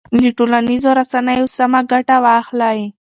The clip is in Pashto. له ټولنیزو رسنیو سمه ګټه واخلئ.